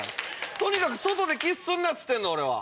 とにかく外でキスするなっつってんの俺は。